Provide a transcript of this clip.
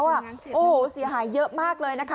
โอ้โหเสียหายเยอะมากเลยนะคะ